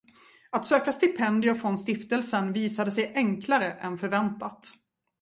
Att söka stipendier från stiftelsen visade sig enklare än förväntat.